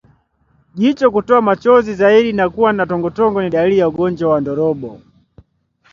Jicho kutoa machozi zaidi na kuwa na tongotongo ni dalili ya ugonjwa wa ndorobo